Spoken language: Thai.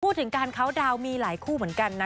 พูดถึงการเคาน์ดาวน์มีหลายคู่เหมือนกันนะ